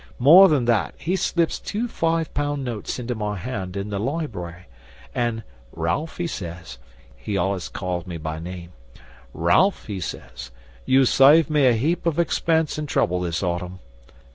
More than that, he slips two five pound notes into my hand in the library, an' "Ralph," he says he allers called me by name "Ralph," he says, "you've saved me a heap of expense an' trouble this autumn."